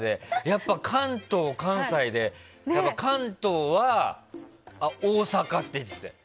やっぱり関東、関西で関東は大阪って言ってたよ。